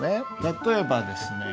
例えばですね